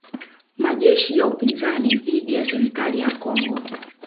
Majeshi ya upinzani dhidi ya serikali ya Kongo